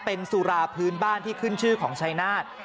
เป็นสุราพื้นบ้านที่ขึ้นชื่อของชายนาฏ